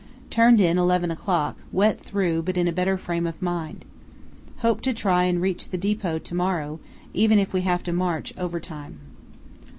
Turned in 11 o'clock, wet through, but in a better frame of mind. Hope to try and reach the depot to morrow, even if we have to march overtime.